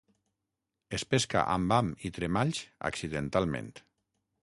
Es pesca amb ham i tremalls accidentalment.